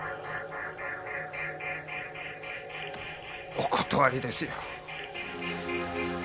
お断りですよ。